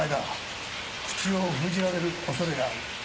口を封じられる恐れがある。